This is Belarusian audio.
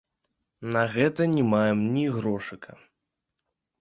На гэта не маем ні грошыка.